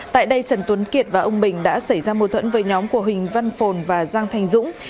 tại đây trần tuấn kiệt và ông bình đã xảy ra mâu thuẫn với nhóm của huỳnh văn phồn và giang thành dũng